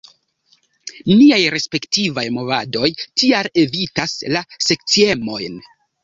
Niaj respektivaj movadoj tial evitas la sekciemojn.